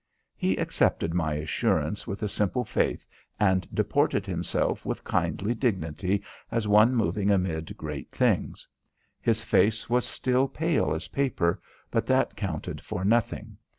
He accepted my assurance with simple faith, and deported himself with kindly dignity as one moving amid great things. His face was still as pale as paper, but that counted for nothing.